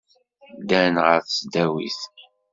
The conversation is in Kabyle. Ddan ɣer tesdawit.